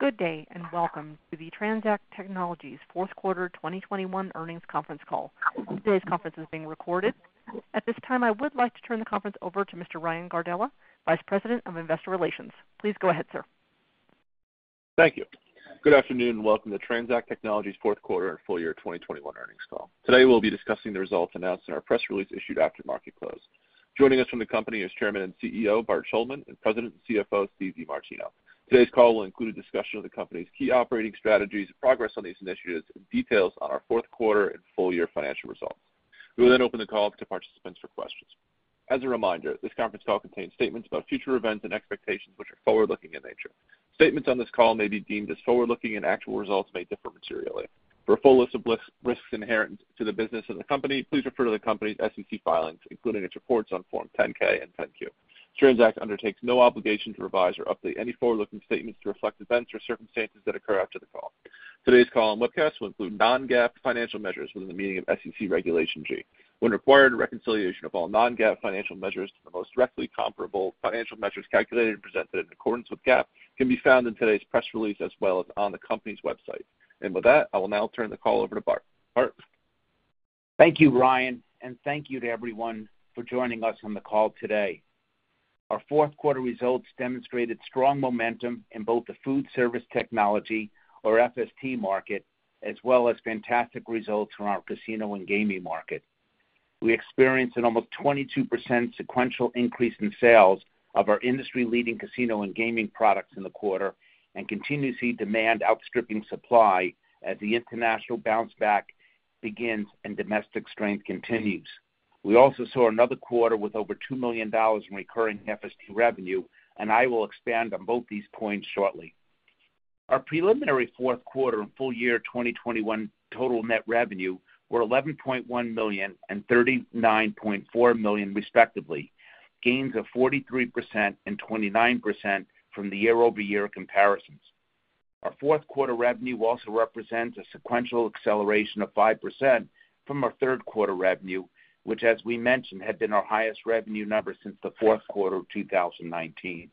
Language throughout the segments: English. Good day, and welcome to the TransAct Technologies fourth quarter 2021 earnings conference call. Today's conference is being recorded. At this time, I would like to turn the conference over to Mr. Ryan Gardella, Vice President of Investor Relations. Please go ahead, sir. Thank you. Good afternoon, and welcome to TransAct Technologies fourth quarter and full year 2021 earnings call. Today, we'll be discussing the results announced in our press release issued after market close. Joining us from the company is Chairman and CEO, Bart Shuldman, and President and CFO, Steve DeMartino. Today's call will include a discussion of the company's key operating strategies, progress on these initiatives, and details on our fourth quarter and full-year financial results. We will then open the call to participants for questions. As a reminder, this conference call contains statements about future events and expectations which are forward-looking in nature. Statements on this call may be deemed as forward-looking, and actual results may differ materially. For a full list of business risks inherent to the business of the company, please refer to the company's SEC filings, including its reports on Form 10-K and 10-Q. TransAct undertakes no obligation to revise or update any forward-looking statements to reflect events or circumstances that occur after the call. Today's call and webcast will include non-GAAP financial measures within the meaning of SEC Regulation G. When required, a reconciliation of all non-GAAP financial measures to the most directly comparable financial measures calculated and presented in accordance with GAAP can be found in today's press release as well as on the company's website. With that, I will now turn the call over to Bart. Bart? Thank you, Ryan, and thank you to everyone for joining us on the call today. Our fourth quarter results demonstrated strong momentum in both the food service technology or FST market, as well as fantastic results from our casino and gaming market. We experienced an almost 22% sequential increase in sales of our industry-leading casino and gaming products in the quarter and continue to see demand outstripping supply as the international bounce back begins and domestic strength continues. We also saw another quarter with over $2 million in recurring FST revenue, and I will expand on both these points shortly. Our preliminary fourth quarter and full year 2021 total net revenue were $11.1 million and $39.4 million, respectively, gains of 43% and 29% from the year-over-year comparisons. Our fourth quarter revenue also represents a sequential acceleration of 5% from our third quarter revenue, which as we mentioned, had been our highest revenue number since the fourth quarter of 2019.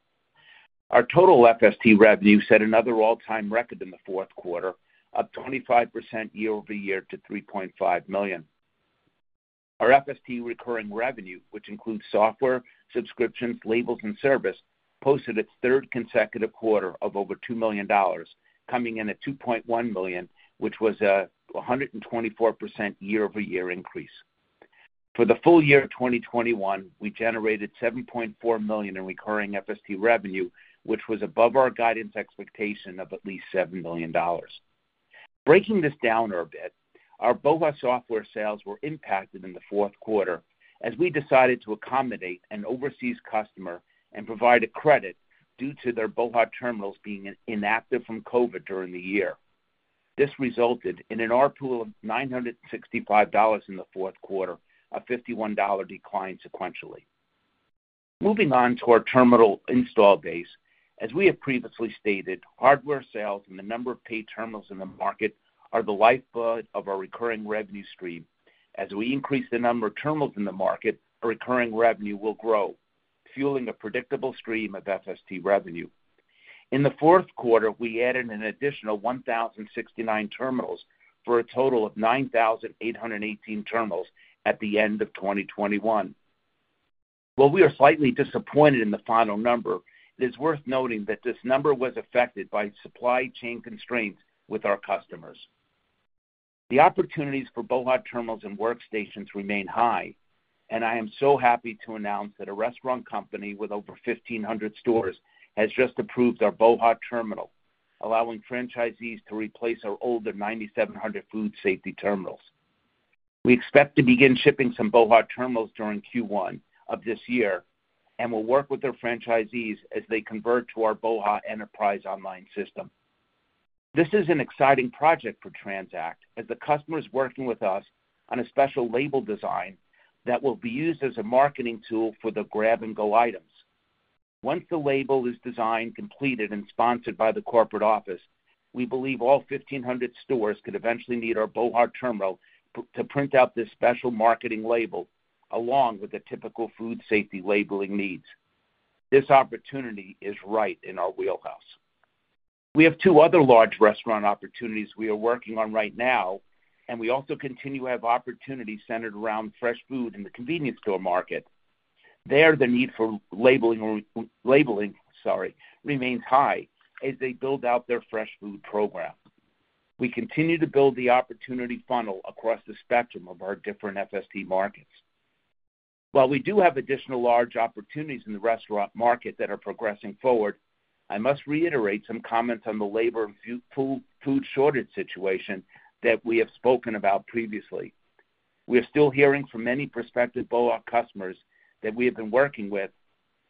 Our total FST revenue set another all-time record in the fourth quarter, up 25% year-over-year to $3.5 million. Our FST recurring revenue, which includes software, subscriptions, labels, and service, posted its third consecutive quarter of over $2 million, coming in at $2.1 million, which was a 124% year-over-year increase. For the full year 2021, we generated $7.4 million in recurring FST revenue, which was above our guidance expectation of at least $7 million. Breaking this down a bit, our BOHA! software sales were impacted in the fourth quarter as we decided to accommodate an overseas customer and provide a credit due to their BOHA! Terminals being inactive from COVID during the year. This resulted in an ARPU of $965 in the fourth quarter, a $51 decline sequentially. Moving on to our terminal install base. As we have previously stated, hardware sales and the number of paid terminals in the market are the lifeblood of our recurring revenue stream. As we increase the number of terminals in the market, our recurring revenue will grow, fueling a predictable stream of FST revenue. In the fourth quarter, we added an additional 1,069 terminals for a total of 9,818 terminals at the end of 2021. While we are slightly disappointed in the final number, it is worth noting that this number was affected by supply chain constraints with our customers. The opportunities for BOHA! Terminals and workstations remain high, and I am so happy to announce that a restaurant company with over 1,500 stores has just approved our BOHA! Terminal, allowing franchisees to replace their older AccuDate 9700 food safety terminals. We expect to begin shipping some BOHA! Terminals during Q1 of this year and will work with their franchisees as they convert to our BOHA! Enterprise online system. This is an exciting project for TransAct, as the customer is working with us on a special label design that will be used as a marketing tool for the grab and go items. Once the label is designed, completed, and sponsored by the corporate office, we believe all 1,500 stores could eventually need our BOHA! Terminal to print out this special marketing label along with the typical food safety labeling needs. This opportunity is right in our wheelhouse. We have two other large restaurant opportunities we are working on right now, and we also continue to have opportunities centered around fresh food in the convenience store market. There, the need for labeling remains high as they build out their fresh food program. We continue to build the opportunity funnel across the spectrum of our different FST markets. While we do have additional large opportunities in the restaurant market that are progressing forward, I must reiterate some comments on the labor and food shortage situation that we have spoken about previously. We are still hearing from many prospective BOHA! customers that we have been working with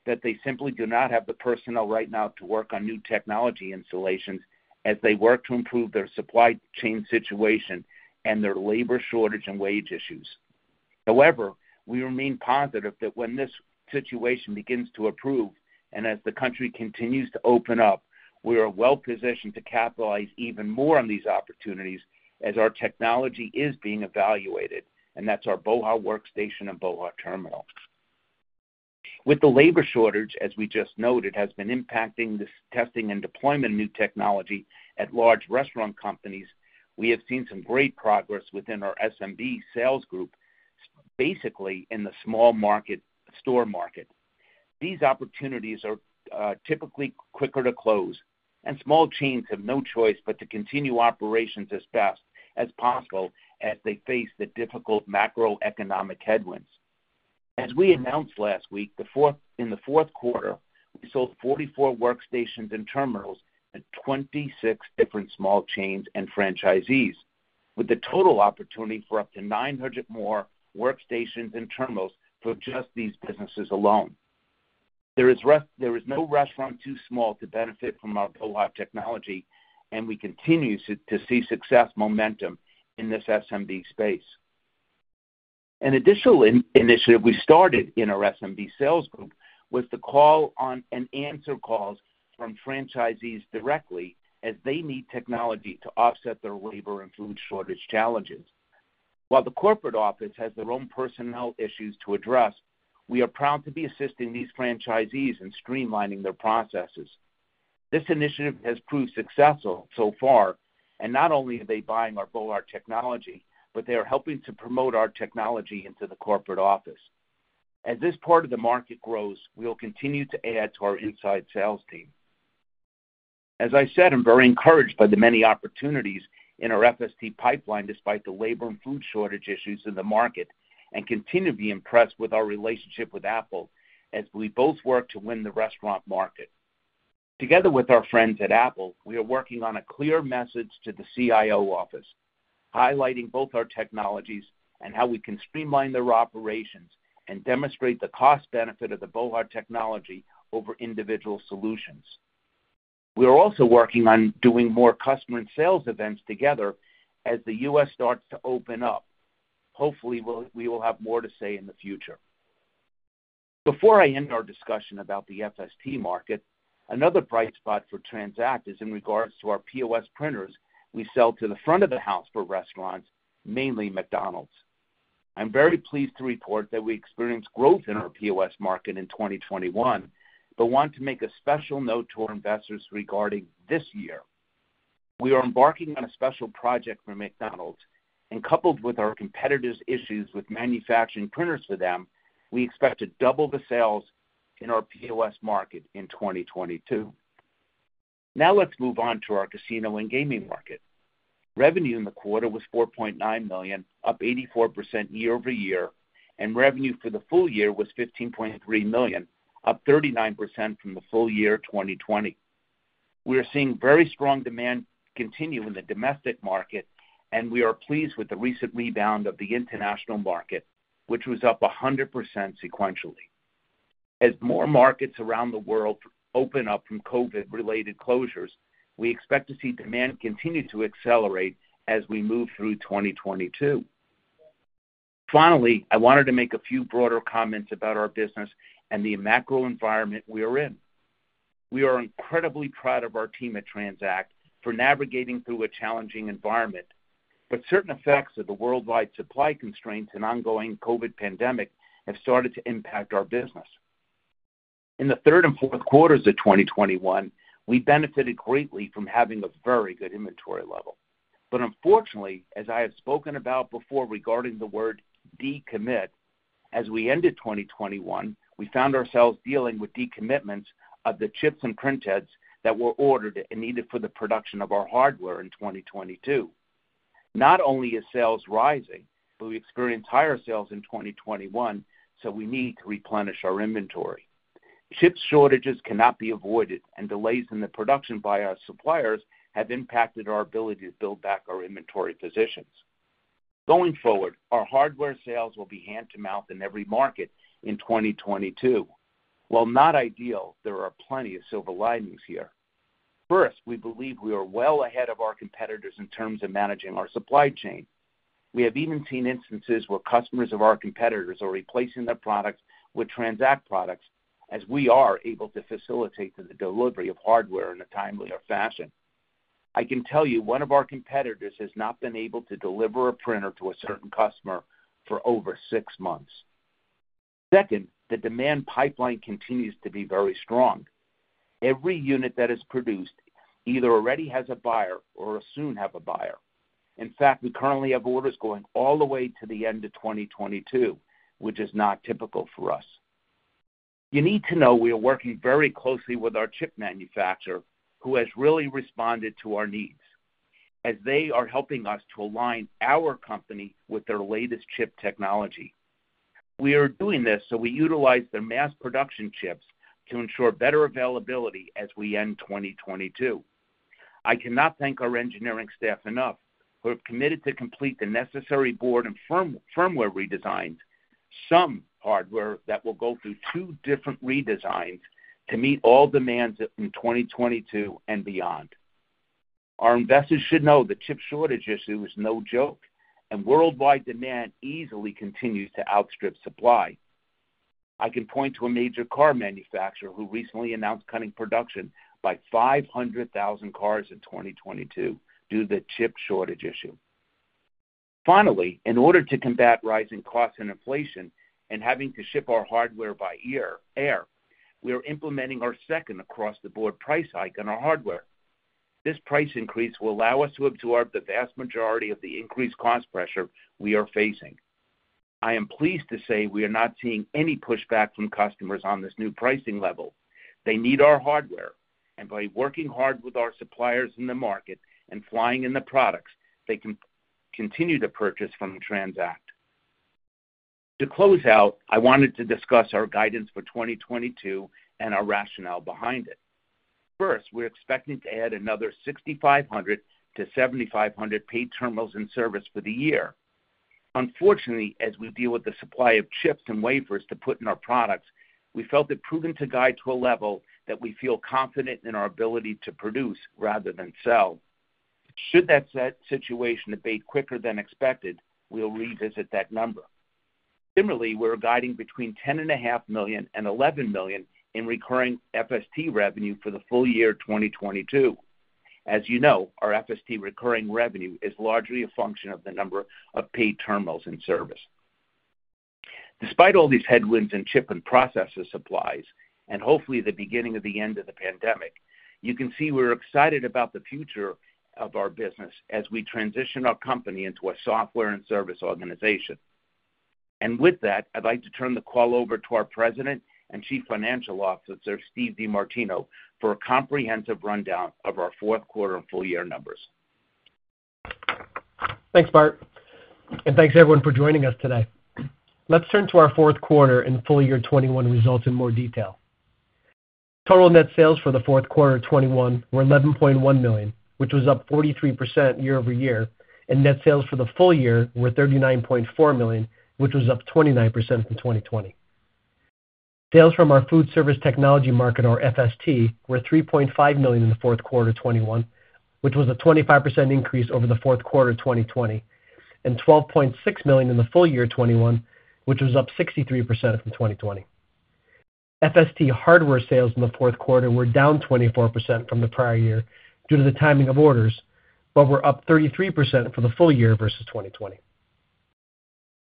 that they simply do not have the personnel right now to work on new technology installations as they work to improve their supply chain situation and their labor shortage and wage issues. However, we remain positive that when this situation begins to improve and as the country continues to open up, we are well-positioned to capitalize even more on these opportunities as our technology is being evaluated, and that's our BOHA! WorkStation and BOHA! Terminal. With the labor shortage, as we just noted, has been impacting this testing and deployment of new technology at large restaurant companies, we have seen some great progress within our SMB sales group, basically in the small market, store market. These opportunities are typically quicker to close, and small chains have no choice but to continue operations as best as possible as they face the difficult macroeconomic headwinds. As we announced last week, in the fourth quarter, we sold 44 workstations and terminals at 26 different small chains and franchisees, with the total opportunity for up to 900 more workstations and terminals for just these businesses alone. There is no restaurant too small to benefit from our BOHA! technology, and we continue to see success momentum in this SMB space. An additional initiative we started in our SMB sales group was to call on and answer calls from franchisees directly as they need technology to offset their labor and food shortage challenges. While the corporate office has their own personnel issues to address, we are proud to be assisting these franchisees in streamlining their processes. This initiative has proved successful so far, and not only are they buying our BOHA! Technology, but they are helping to promote our technology into the corporate office. As this part of the market grows, we will continue to add to our inside sales team. As I said, I'm very encouraged by the many opportunities in our FST pipeline despite the labor and food shortage issues in the market, and continue to be impressed with our relationship with Apple as we both work to win the restaurant market. Together with our friends at Apple, we are working on a clear message to the CIO office, highlighting both our technologies and how we can streamline their operations and demonstrate the cost benefit of the BOHA! Technology over individual solutions. We're also working on doing more customer and sales events together as the U.S. starts to open up. Hopefully, we will have more to say in the future. Before I end our discussion about the FST market, another bright spot for TransAct is in regards to our POS printers we sell to the front of the house for restaurants, mainly McDonald's. I'm very pleased to report that we experienced growth in our POS market in 2021, but want to make a special note to our investors regarding this year. We are embarking on a special project for McDonald's, and coupled with our competitors' issues with manufacturing printers for them, we expect to double the sales in our POS market in 2022. Now let's move on to our casino and gaming market. Revenue in the quarter was $4.9 million, up 84% year-over-year, and revenue for the full year was $15.3 million, up 39% from the full year 2020. We are seeing very strong demand continue in the domestic market, and we are pleased with the recent rebound of the international market, which was up 100% sequentially. As more markets around the world open up from COVID-related closures, we expect to see demand continue to accelerate as we move through 2022. Finally, I wanted to make a few broader comments about our business and the macro environment we are in. We are incredibly proud of our team at TransAct for navigating through a challenging environment, but certain effects of the worldwide supply constraints and ongoing COVID pandemic have started to impact our business. In the third and fourth quarters of 2021, we benefited greatly from having a very good inventory level. Unfortunately, as I have spoken about before regarding the word decommit, as we ended 2021, we found ourselves dealing with decommitments of the chips and print heads that were ordered and needed for the production of our hardware in 2022. Not only is sales rising, but we experienced higher sales in 2021, so we need to replenish our inventory. Chip shortages cannot be avoided, and delays in the production by our suppliers have impacted our ability to build back our inventory positions. Going forward, our hardware sales will be hand to mouth in every market in 2022. While not ideal, there are plenty of silver linings here. First, we believe we are well ahead of our competitors in terms of managing our supply chain. We have even seen instances where customers of our competitors are replacing their products with TransAct products, as we are able to facilitate the delivery of hardware in a timelier fashion. I can tell you one of our competitors has not been able to deliver a printer to a certain customer for over six months. Second, the demand pipeline continues to be very strong. Every unit that is produced either already has a buyer or will soon have a buyer. In fact, we currently have orders going all the way to the end of 2022, which is not typical for us. You need to know we are working very closely with our chip manufacturer, who has really responded to our needs, as they are helping us to align our company with their latest chip technology. We are doing this so we utilize their mass production chips to ensure better availability as we end 2022. I cannot thank our engineering staff enough, who have committed to complete the necessary board and firmware redesigns, some hardware that will go through two different redesigns to meet all demands from 2022 and beyond. Our investors should know the chip shortage issue is no joke, and worldwide demand easily continues to outstrip supply. I can point to a major car manufacturer who recently announced cutting production by 500,000 cars in 2022 due to the chip shortage issue. Finally, in order to combat rising costs and inflation and having to ship our hardware by air, we are implementing our second across-the-board price hike on our hardware. This price increase will allow us to absorb the vast majority of the increased cost pressure we are facing. I am pleased to say we are not seeing any pushback from customers on this new pricing level. They need our hardware, and by working hard with our suppliers in the market and flying in the products, they continue to purchase from TransAct. To close out, I wanted to discuss our guidance for 2022 and our rationale behind it. First, we're expecting to add another 6,500-7,500 paid terminals in service for the year. Unfortunately, as we deal with the supply of chips and wafers to put in our products, we felt it prudent to guide to a level that we feel confident in our ability to produce rather than sell. Should that situation abate quicker than expected, we'll revisit that number. Similarly, we're guiding between $10.5 million and $11 million in recurring FST revenue for the full year 2022. As you know, our FST recurring revenue is largely a function of the number of paid terminals in service. Despite all these headwinds in chip and processes supplies, and hopefully the beginning of the end of the pandemic, you can see we're excited about the future of our business as we transition our company into a software and service organization. With that, I'd like to turn the call over to our President and Chief Financial Officer, Steve DeMartino, for a comprehensive rundown of our fourth quarter and full year numbers. Thanks, Bart. Thanks, everyone, for joining us today. Let's turn to our fourth quarter and full year 2021 results in more detail. Total net sales for the fourth quarter of 2021 were $11.1 million, which was up 43% year-over-year, and net sales for the full year were $39.4 million, which was up 29% from 2020. Sales from our food service technology market, or FST, were $3.5 million in the fourth quarter of 2021, which was a 25% increase over the fourth quarter of 2020, and $12.6 million in the full year of 2021, which was up 63% from 2020. FST hardware sales in the fourth quarter were down 24% from the prior year due to the timing of orders, but were up 33% for the full year versus 2020.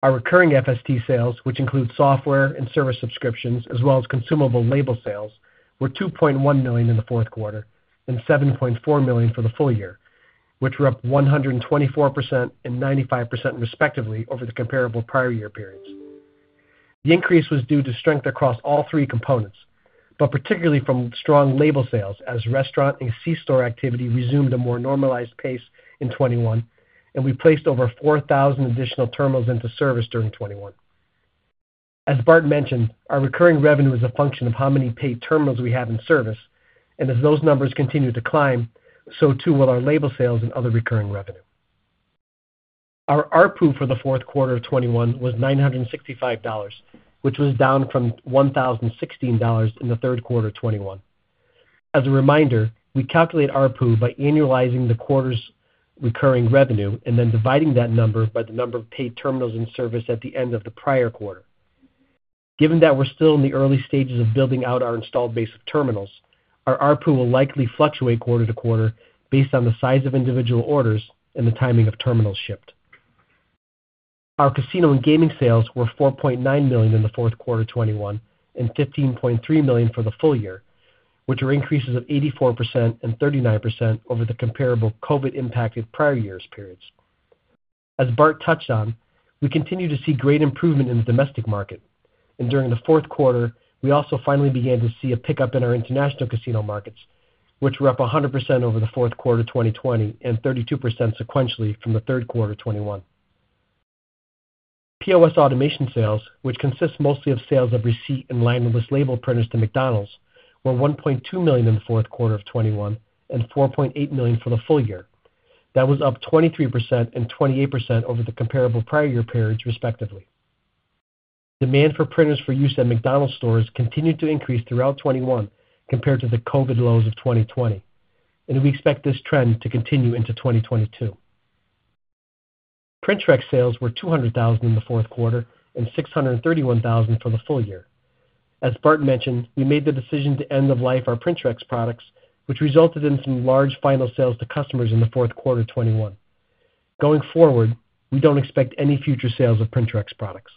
Our recurring FST sales, which include software and service subscriptions as well as consumable label sales, were $2.1 million in the fourth quarter and $7.4 million for the full year, which were up 124% and 95% respectively over the comparable prior year periods. The increase was due to strength across all three components, but particularly from strong label sales as restaurant and C-store activity resumed a more normalized pace in 2021, and we placed over 4,000 additional terminals into service during 2021. As Bart mentioned, our recurring revenue is a function of how many paid terminals we have in service, and as those numbers continue to climb, so too will our label sales and other recurring revenue. Our ARPU for the fourth quarter of 2021 was $965, which was down from $1,016 in the third quarter of 2021. As a reminder, we calculate ARPU by annualizing the quarter's recurring revenue and then dividing that number by the number of paid terminals in service at the end of the prior quarter. Given that we're still in the early stages of building out our installed base of terminals, our ARPU will likely fluctuate quarter-to-quarter based on the size of individual orders and the timing of terminals shipped. Our casino and gaming sales were $4.9 million in the fourth quarter of 2021 and $15.3 million for the full year, which are increases of 84% and 39% over the comparable COVID-impacted prior years periods. As Bart touched on, we continue to see great improvement in the domestic market. During the fourth quarter, we also finally began to see a pickup in our international casino markets, which were up 100% over the fourth quarter of 2020 and 32% sequentially from the third quarter of 2021. POS automation sales, which consists mostly of sales of receipt and label printers to McDonald's, were $1.2 million in the fourth quarter of 2021 and $4.8 million for the full year. That was up 23% and 28% over the comparable prior year periods respectively. Demand for printers for use at McDonald's stores continued to increase throughout 2021 compared to the COVID lows of 2020, and we expect this trend to continue into 2022. Printrex sales were $200,000 in the fourth quarter and $631,000 for the full year. As Bart mentioned, we made the decision to end of life our Printrex products, which resulted in some large final sales to customers in the fourth quarter of 2021. Going forward, we don't expect any future sales of Printrex products.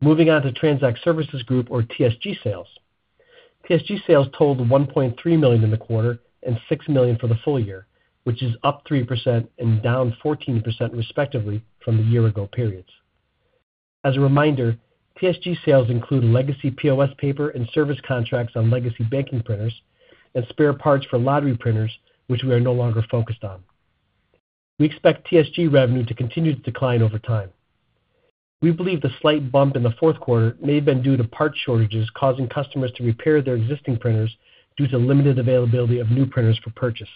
Moving on to TransAct Services Group or TSG sales. TSG sales totaled $1.3 million in the quarter and $6 million for the full year, which is up 3% and down 14% respectively from the year-ago periods. As a reminder, TSG sales include legacy POS paper and service contracts on legacy banking printers and spare parts for lottery printers, which we are no longer focused on. We expect TSG revenue to continue to decline over time. We believe the slight bump in the fourth quarter may have been due to part shortages causing customers to repair their existing printers due to limited availability of new printers for purchase.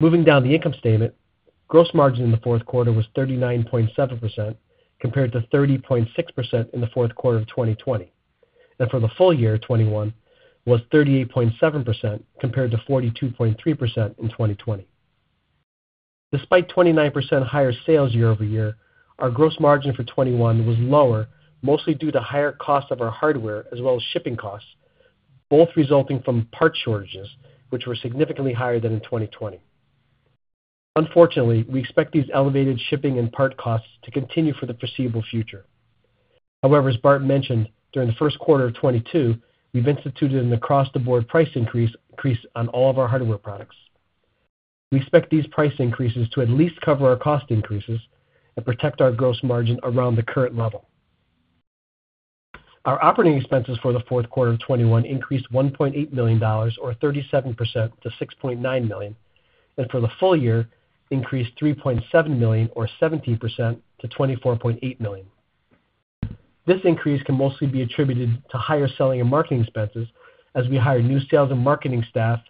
Moving down the income statement, gross margin in the fourth quarter was 39.7% compared to 30.6% in the fourth quarter of 2020. For the full year of 2021 was 38.7% compared to 42.3% in 2020. Despite 29% higher sales year-over-year, our gross margin for 2021 was lower, mostly due to higher cost of our hardware as well as shipping costs. Both resulting from part shortages, which were significantly higher than in 2020. Unfortunately, we expect these elevated shipping and part costs to continue for the foreseeable future. However, as Bart mentioned, during the first quarter of 2022, we've instituted an across-the-board price increase on all of our hardware products. We expect these price increases to at least cover our cost increases and protect our gross margin around the current level. Our operating expenses for the fourth quarter of 2021 increased $1.8 million or 37% to $6.9 million, and for the full year increased $3.7 million or 17% to $24.8 million. This increase can mostly be attributed to higher selling and marketing expenses as we hired new sales and marketing staff,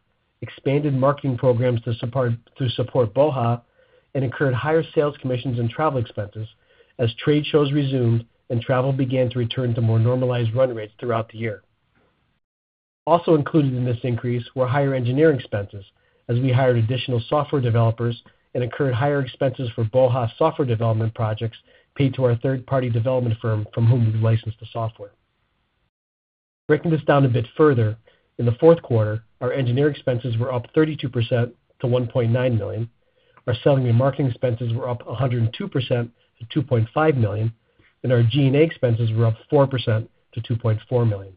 expanded marketing programs to support BOHA!, and incurred higher sales commissions and travel expenses as trade shows resumed and travel began to return to more normalized run rates throughout the year. Also included in this increase were higher engineering expenses as we hired additional software developers and incurred higher expenses for BOHA! software development projects paid to our third-party development firm from whom we've licensed the software. Breaking this down a bit further, in the fourth quarter, our engineering expenses were up 32% to $1.9 million. Our selling and marketing expenses were up 102% to $2.5 million, and our G&A expenses were up 4% to $2.4 million.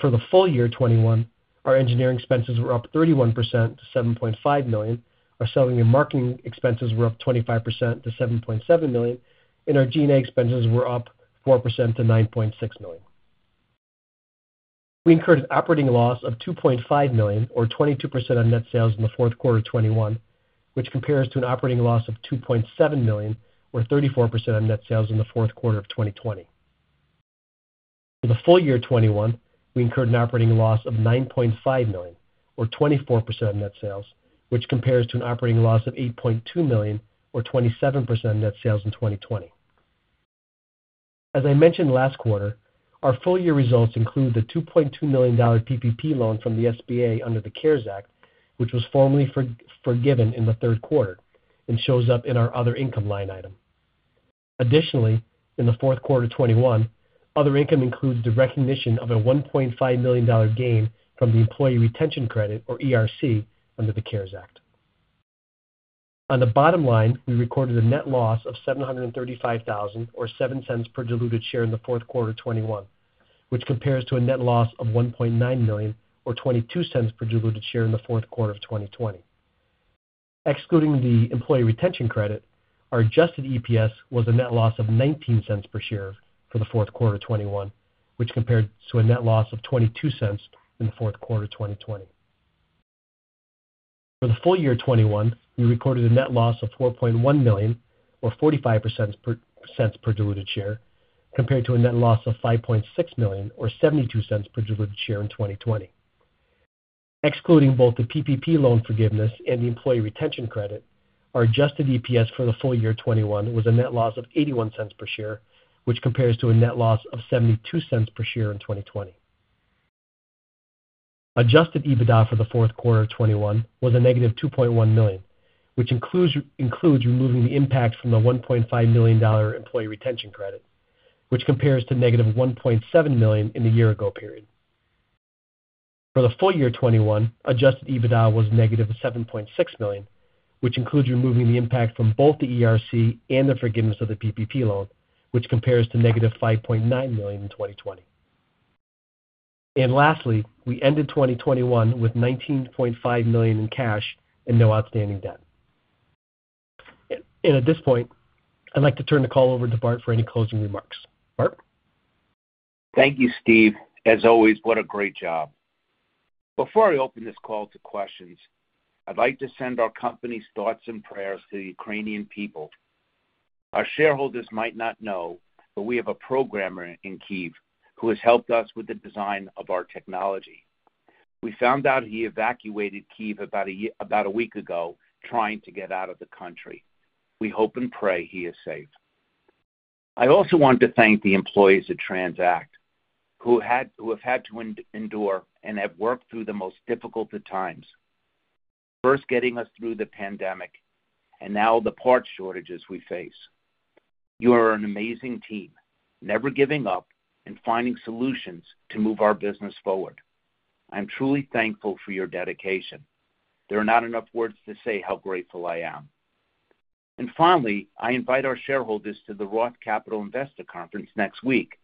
For the full year 2021, our engineering expenses were up 31% to $7.5 million. Our selling and marketing expenses were up 25% to $7.7 million, and our G&A expenses were up 4% to $9.6 million. We incurred an operating loss of $2.5 million or 22% on net sales in the fourth quarter of 2021, which compares to an operating loss of $2.7 million or 34% on net sales in the fourth quarter of 2020. For the full year 2021, we incurred an operating loss of $9.5 million or 24% of net sales, which compares to an operating loss of $8.2 million or 27% of net sales in 2020. As I mentioned last quarter, our full-year results include the $2.2 million PPP loan from the SBA under the CARES Act, which was formally forgiven in the third quarter and shows up in our other income line item. Additionally, in the fourth quarter 2021, other income includes the recognition of a $1.5 million gain from the employee retention credit, or ERC, under the CARES Act. On the bottom line, we recorded a net loss of $735,000 or $0.07 per diluted share in the fourth quarter 2021, which compares to a net loss of $1.9 million or $0.22 per diluted share in the fourth quarter of 2020. Excluding the employee retention credit, our Adjusted EPS was a net loss of $0.19 per share for the fourth quarter 2021, which compared to a net loss of $0.22 in the fourth quarter of 2020. For the full year 2021, we recorded a net loss of $4.1 million or $0.45 per diluted share compared to a net loss of $5.6 million or $0.72 per diluted share in 2020. Excluding both the PPP loan forgiveness and the employee retention credit, our Adjusted EPS for the full year 2021 was a net loss of $0.81 per share, which compares to a net loss of $0.72 per share in 2020. Adjusted EBITDA for the fourth quarter of 2021 was a -$2.1 million, which includes removing the impact from the $1.5 million employee retention credit, which compares to -$1.7 million in the year-ago period. For the full year 2021, Adjusted EBITDA was -$7.6 million, which includes removing the impact from both the ERC and the forgiveness of the PPP loan, which compares to -$5.9 million in 2020. Lastly, we ended 2021 with $19.5 million in cash and no outstanding debt. At this point, I'd like to turn the call over to Bart for any closing remarks. Bart? Thank you, Steve. As always, what a great job. Before I open this call to questions, I'd like to send our company's thoughts and prayers to the Ukrainian people. Our shareholders might not know, but we have a programmer in Kyiv who has helped us with the design of our technology. We found out he evacuated Kyiv about a week ago, trying to get out of the country. We hope and pray he is safe. I also want to thank the employees at TransAct who have had to endure and have worked through the most difficult of times. First getting us through the pandemic, and now the part shortages we face. You are an amazing team, never giving up and finding solutions to move our business forward. I'm truly thankful for your dedication. There are not enough words to say how grateful I am. Finally, I invite our shareholders to the Roth Capital Partners Investor Conference next week,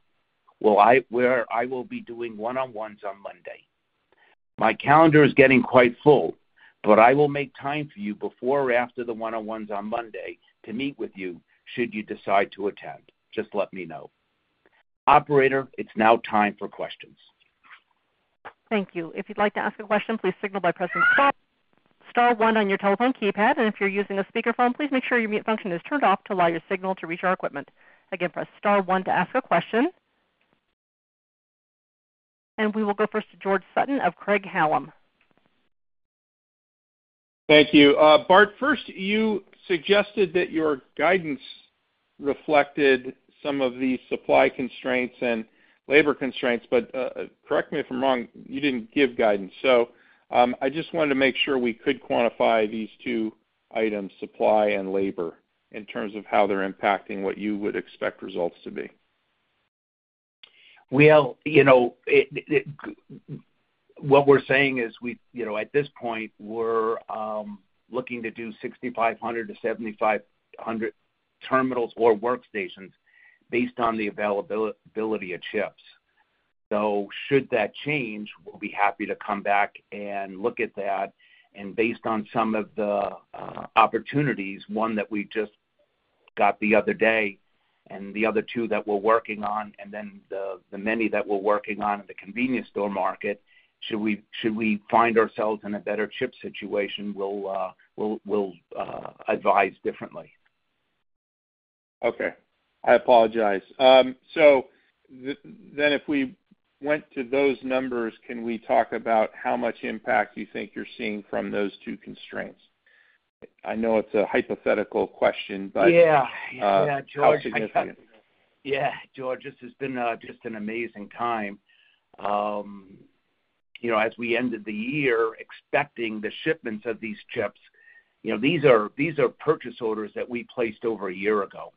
where I will be doing one-on-ones on Monday. My calendar is getting quite full, but I will make time for you before or after the one-on-ones on Monday to meet with you should you decide to attend. Just let me know. Operator, it's now time for questions. Thank you. If you'd like to ask a question, please signal by pressing star one on your telephone keypad. If you're using a speakerphone, please make sure your mute function is turned off to allow your signal to reach our equipment. Again, press star one to ask a question. We will go first to George Sutton of Craig-Hallum. Thank you, Bart. First, you suggested that your guidance reflected some of the supply constraints and labor constraints, but correct me if I'm wrong, you didn't give guidance. I just wanted to make sure we could quantify these two items, supply and labor, in terms of how they're impacting what you would expect results to be. Well, you know, what we're saying is we, you know, at this point, we're looking to do 6,500-7,500 terminals or workstations based on the availability of chips. So should that change, we'll be happy to come back and look at that. Based on some of the opportunities, one that we just got the other day and the other two that we're working on, and then the many that we're working on in the convenience store market, should we find ourselves in a better chip situation, we'll advise differently. Okay. I apologize. If we went to those numbers, can we talk about how much impact you think you're seeing from those two constraints? I know it's a hypothetical question, but- Yeah. Yeah, George. ...How significant? Yeah. George, this has been just an amazing time. You know, as we ended the year expecting the shipments of these chips, you know, these are purchase orders that we placed over a year ago.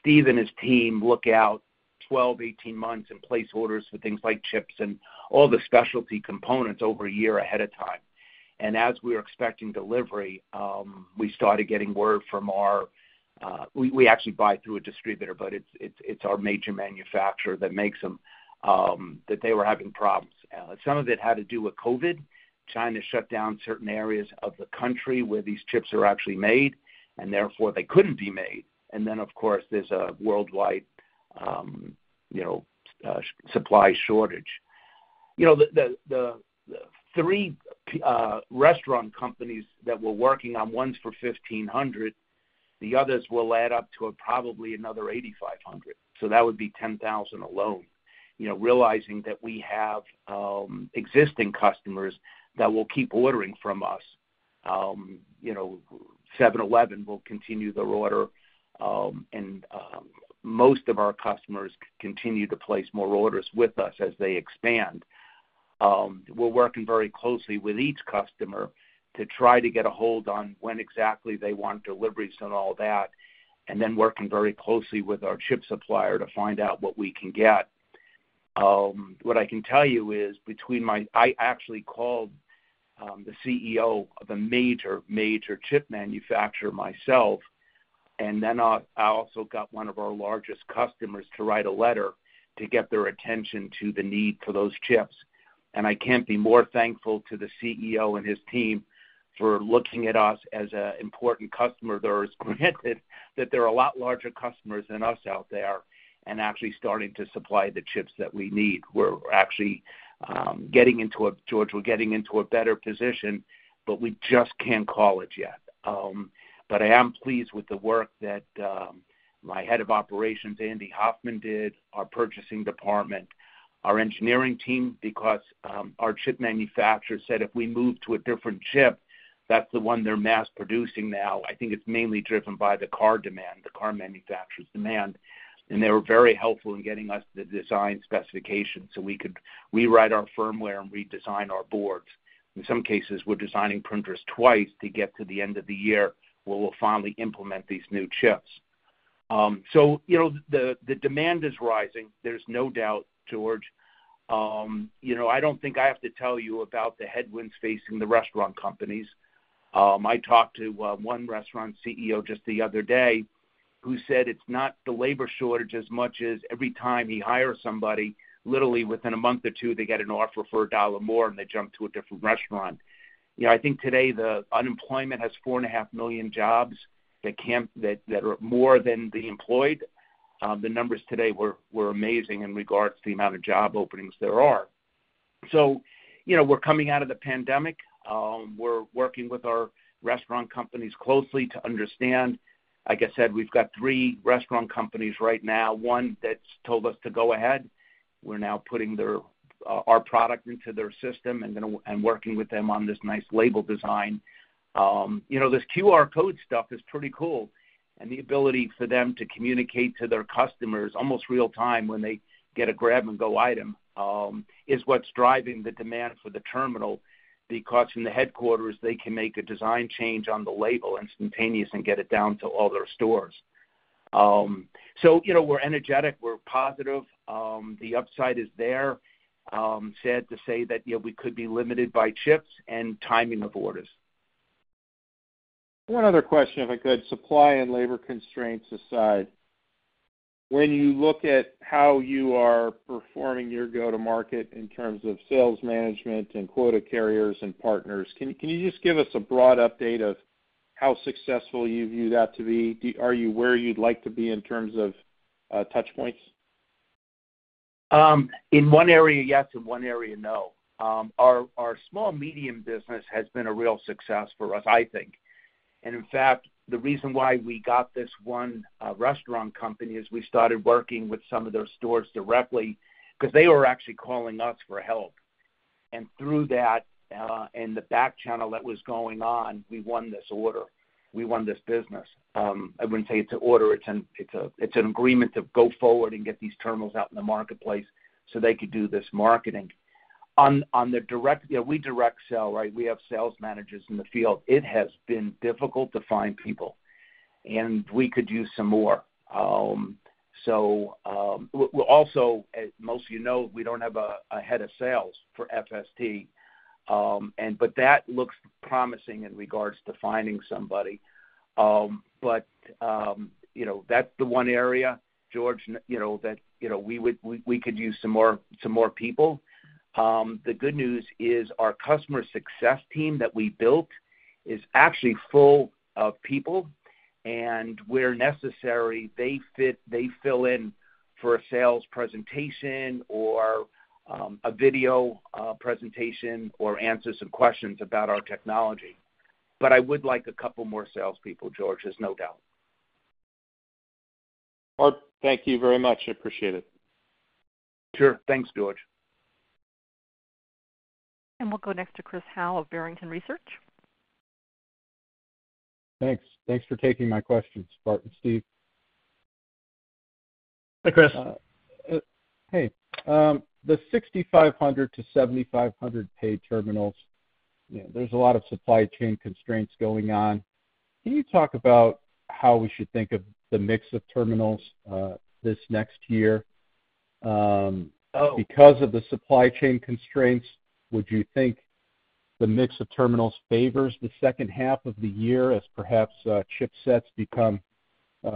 Steve and his team look out 12, 18 months and place orders for things like chips and all the specialty components over a year ahead of time. As we are expecting delivery, we started getting word. We actually buy through a distributor, but it's our major manufacturer that makes them that they were having problems. Some of it had to do with COVID. China shut down certain areas of the country where these chips are actually made, and therefore, they couldn't be made. Then, of course, there's a worldwide, you know, supply shortage. You know, the three restaurant companies that we're working on, one's for 1,500, the others will add up to probably another 8,500. So that would be 10,000 alone. You know, realizing that we have existing customers that will keep ordering from us. You know, 7-Eleven will continue their order, and most of our customers continue to place more orders with us as they expand. We're working very closely with each customer to try to get a hold on when exactly they want deliveries and all that, and then working very closely with our chip supplier to find out what we can get. What I can tell you is between my-- I actually called the CEO of a major chip manufacturer myself, and then I also got one of our largest customers to write a letter to get their attention to the need for those chips. I can't be more thankful to the CEO and his team for looking at us as an important customer there is, granted that there are a lot larger customers than us out there, and actually starting to supply the chips that we need. We're actually getting into a better position, but we just can't call it yet. I am pleased with the work that my Head of Operations, Andy Hoffman, did, our purchasing department, our engineering team, because our chip manufacturer said if we move to a different chip, that's the one they're mass producing now. I think it's mainly driven by the car demand, the car manufacturer's demand, and they were very helpful in getting us the design specifications so we could rewrite our firmware and redesign our boards. In some cases, we're designing printers twice to get to the end of the year, where we'll finally implement these new chips. The demand is rising, there's no doubt, George. You know, I don't think I have to tell you about the headwinds facing the restaurant companies. I talked to one restaurant CEO just the other day who said it's not the labor shortage as much as every time he hires somebody, literally within a month or two, they get an offer for a dollar more, and they jump to a different restaurant. You know, I think today the unemployment has 4.5 million jobs that are more than the employed. The numbers today were amazing in regards to the amount of job openings there are. You know, we're coming out of the pandemic. We're working with our restaurant companies closely to understand. Like I said, we've got three restaurant companies right now, one that's told us to go ahead. We're now putting our product into their system and working with them on this nice label design. You know, this QR code stuff is pretty cool, and the ability for them to communicate to their customers almost real-time when they get a grab-and-go item is what's driving the demand for the terminal, because from the headquarters, they can make a design change on the label instantaneous and get it down to all their stores. You know, we're energetic, we're positive. The upside is there. Sad to say that, you know, we could be limited by chips and timing of orders. One other question, if I could. Supply and labor constraints aside, when you look at how you are performing your go-to-market in terms of sales management and quota carriers and partners, can you just give us a broad update of how successful you view that to be? Are you where you'd like to be in terms of touch points? In one area, yes, in one area, no. Our small-medium business has been a real success for us, I think. In fact, the reason why we got this one restaurant company is we started working with some of their stores directly because they were actually calling us for help. Through that, the back channel that was going on, we won this order. We won this business. I wouldn't say it's an order, it's an agreement to go forward and get these terminals out in the marketplace so they could do this marketing. On the direct, yeah, we direct sell, right? We have sales managers in the field. It has been difficult to find people, and we could use some more. As most of you know, we don't have a head of sales for FST, but that looks promising in regards to finding somebody. You know, that's the one area, George, you know, that you know, we could use some more people. The good news is our customer success team that we built is actually full of people, and where necessary, they fill in for a sales presentation or a video presentation or answer some questions about our technology. I would like a couple more salespeople, George, there's no doubt. Well, thank you very much. I appreciate it. Sure. Thanks, George. We'll go next to Chris Howe of Barrington Research. Thanks. Thanks for taking my questions, Bart and Steve. Hi, Chris. The 6,500-7,500 paid terminals, you know, there's a lot of supply chain constraints going on. Can you talk about how we should think of the mix of terminals this next year? Oh- Because of the supply chain constraints, would you think the mix of terminals favors the second half of the year as perhaps chipsets become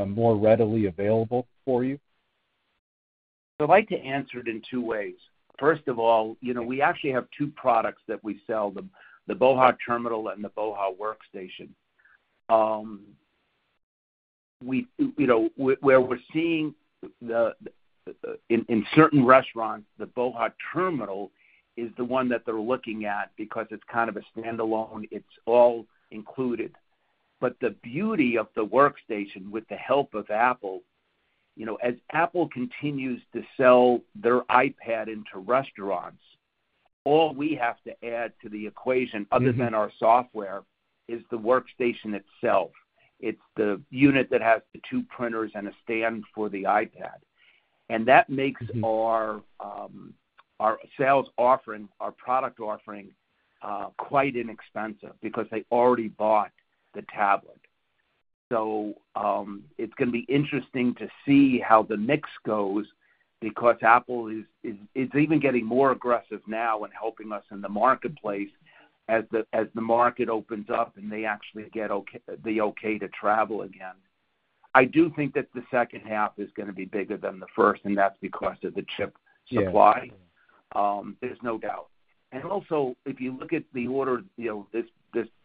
more readily available for you? I'd like to answer it in two ways. First of all, you know, we actually have two products that we sell, the BOHA! Terminal and the BOHA! WorkStation. In certain restaurants, the BOHA! Terminal is the one that they're looking at because it's kind of a standalone, it's all included. The beauty of the BOHA! WorkStation with the help of Apple, you know, as Apple continues to sell their iPad into restaurants, all we have to add to the equation other than our software is the BOHA! WorkStation itself. It's the unit that has the two printers and a stand for the iPad. That makes our sales offering, our product offering quite inexpensive because they already bought the tablet. It's gonna be interesting to see how the mix goes because Apple is even getting more aggressive now in helping us in the marketplace as the market opens up, and they actually get the okay to travel again. I do think that the second half is gonna be bigger than the first, and that's because of the chip supply. Yes. There's no doubt. Also, if you look at the order, you know, this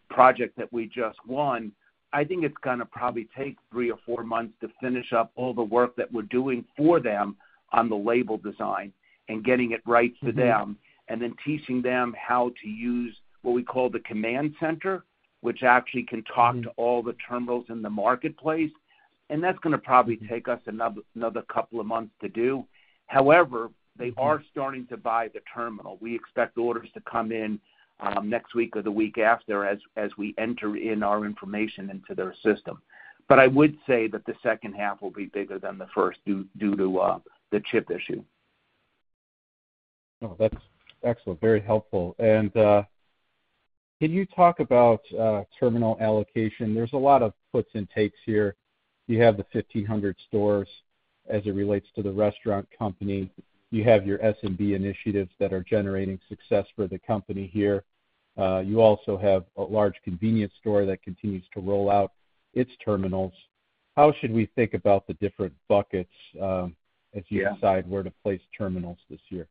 project that we just won, I think it's gonna probably take three or four months to finish up all the work that we're doing for them on the label design and getting it right to them, and then teaching them how to use what we call the command center, which actually can talk to all the terminals in the marketplace. That's gonna probably take us another couple of months to do. However, they are starting to buy the terminal. We expect orders to come in next week or the week after as we enter in our information into their system. I would say that the second half will be bigger than the first due to the chip issue. Oh, that's excellent. Very helpful. Can you talk about terminal allocation? There's a lot of puts and takes here. You have the 1,500 stores as it relates to the restaurant company. You have your SMB initiatives that are generating success for the company here. You also have a large convenience store that continues to roll out its terminals. How should we think about the different buckets- Yeah... as you decide where to place terminals this year?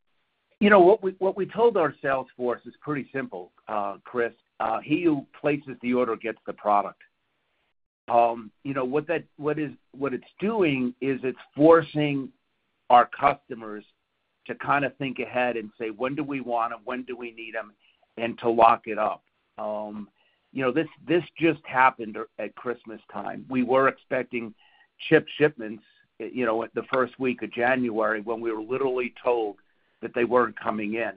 You know, what we told our sales force is pretty simple, Chris. He who places the order gets the product. You know, what it's doing is it's forcing our customers to kind of think ahead and say, "When do we want them? When do we need them?" And to lock it up. This just happened at Christmas time. We were expecting chip shipments, you know, at the first week of January when we were literally told that they weren't coming in.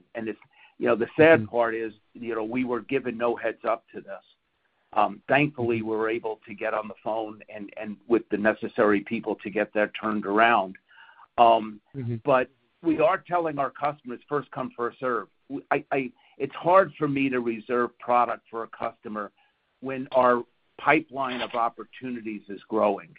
You know, the sad part is, you know, we were given no heads-up to this. Thankfully, we were able to get on the phone and with the necessary people to get that turned around. We are telling our customers, "First come, first served." I-- It's hard for me to reserve product for a customer when our pipeline of opportunities is growing.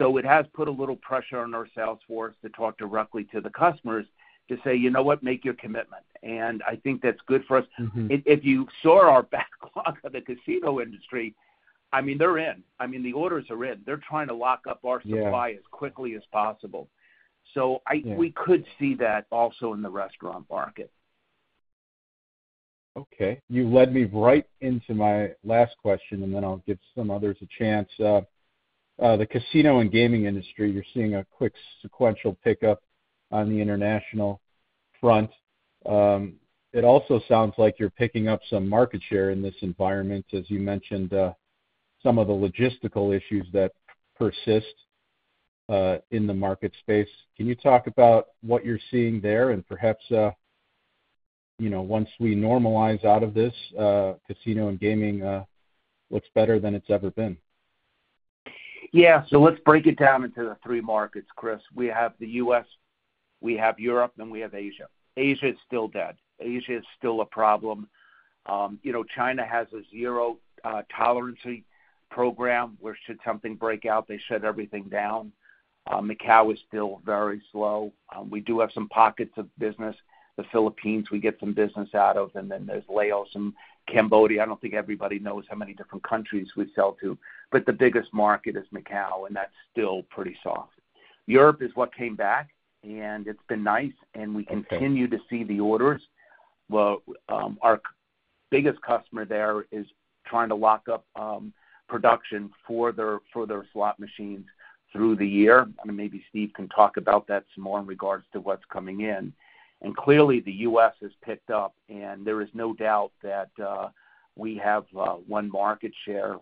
It has put a little pressure on our sales force to talk directly to the customers to say, "You know what? Make your commitment." I think that's good for us. Mm-hmm. If you saw our backlog of the casino industry, I mean, they're in. I mean, the orders are in. They're trying to lock up our supply- Yeah. ...as quickly as possible. Yeah. We could see that also in the restaurant market. Okay. You led me right into my last question, and then I'll give some others a chance. The casino and gaming industry, you're seeing a quick sequential pickup on the international front. It also sounds like you're picking up some market share in this environment, as you mentioned, some of the logistical issues that persist in the market space. Can you talk about what you're seeing there? And perhaps, you know, once we normalize out of this, casino and gaming looks better than it's ever been. Yeah. Let's break it down into the three markets, Chris. We have the U.S., we have Europe, and we have Asia. Asia is still dead. Asia is still a problem. You know, China has a zero tolerance program, where should something break out, they shut everything down. Macau is still very slow. We do have some pockets of business. The Philippines, we get some business out of, and then there's Laos and Cambodia. I don't think everybody knows how many different countries we sell to. The biggest market is Macau, and that's still pretty soft. Europe is what came back, and it's been nice, and we continue to see the orders. Our biggest customer there is trying to lock up production for their slot machines through the year. Maybe Steve can talk about that some more in regards to what's coming in. Clearly, the U.S. has picked up, and there is no doubt that we have won market share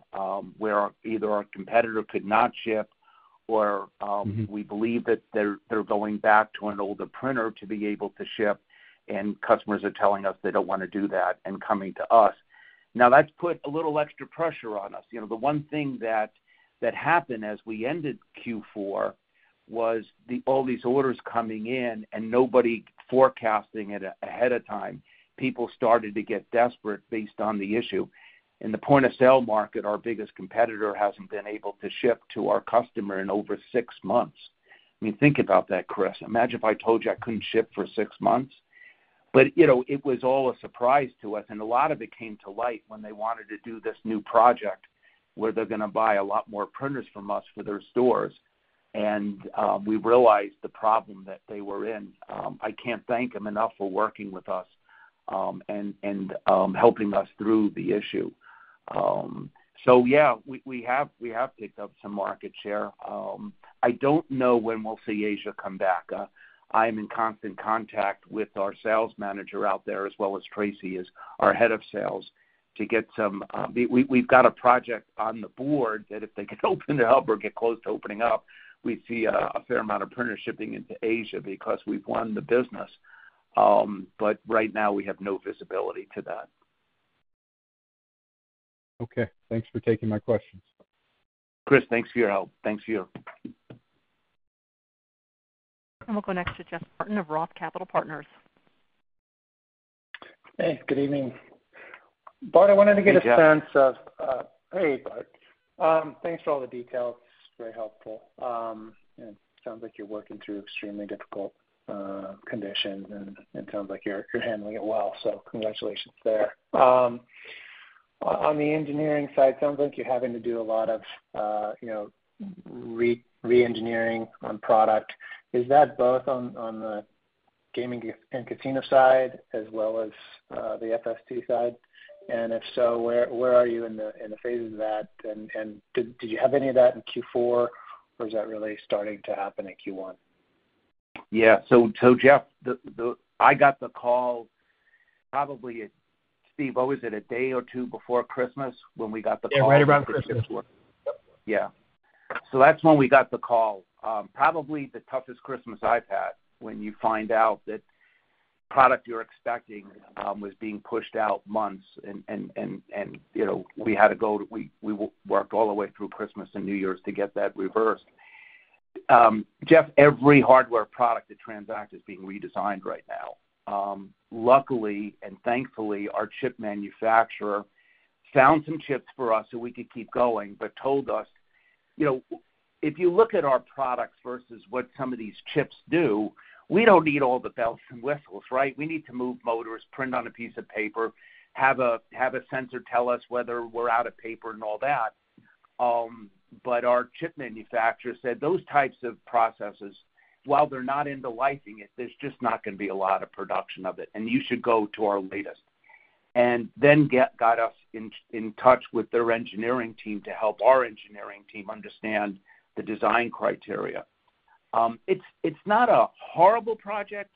where either our competitor could not ship or we believe that they're going back to an older printer to be able to ship, and customers are telling us they don't wanna do that and coming to us. Now, that's put a little extra pressure on us. You know, the one thing that happened as we ended Q4 was all these orders coming in and nobody forecasting it ahead of time. People started to get desperate based on the issue. In the point-of-sale market, our biggest competitor hasn't been able to ship to our customer in over six months. I mean, think about that, Chris. Imagine if I told you I couldn't ship for six months. You know, it was all a surprise to us, and a lot of it came to light when they wanted to do this new project where they're gonna buy a lot more printers from us for their stores. We realized the problem that they were in. I can't thank them enough for working with us, and helping us through the issue. Yeah, we have picked up some market share. I don't know when we'll see Asia come back. I'm in constant contact with our sales manager out there, as well as Tracey is our Head of Sales, to get some... We've got a project on the board that if they could open it up or get close to opening up, we'd see a fair amount of printer shipping into Asia because we've won the business. Right now, we have no visibility to that. Okay. Thanks for taking my questions. Chris, thanks for your help. Thanks to you. We'll go next to Jeff Martin of Roth Capital Partners. Hey, good evening. Bart, I wanted to get a sense of- Hey, Jeff. Hey, Bart. Thanks for all the details. It's very helpful. It sounds like you're working through extremely difficult conditions, and it sounds like you're handling it well, so congratulations there. On the engineering side, sounds like you're having to do a lot of, you know, reengineering on product. Is that both on the gaming and casino side as well as the FST side? If so, where are you in the phases of that? Did you have any of that in Q4, or is that really starting to happen in Q1? Jeff, I got the call probably, Steve. What was it, a day or two before Christmas, when we got the call? Yeah, right around Christmas. Yeah. That's when we got the call. Probably the toughest Christmas I've had when you find out that product you're expecting was being pushed out months and, you know, we worked all the way through Christmas and New Year's to get that reversed. Jeff, every hardware product at TransAct is being redesigned right now. Luckily and thankfully, our chip manufacturer found some chips for us, so we could keep going, but told us you know, if you look at our products versus what some of these chips do, we don't need all the bells and whistles, right? We need to move motors, print on a piece of paper, have a sensor tell us whether we're out of paper and all that. Our chip manufacturer said, those types of processes, while they're not into licensing it, there's just not gonna be a lot of production of it, and you should go to our latest. Then got us in touch with their engineering team to help our engineering team understand the design criteria. It's not a horrible project,